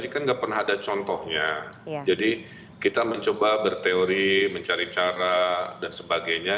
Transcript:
dua ribu sembilan belas ini kan gak pernah ada contohnya jadi kita mencoba berteori mencari cara dan sebagainya